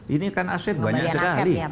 ini kan aset banyak sekali